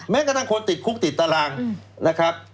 กระทั่งคนติดคุกติดตารางนะครับ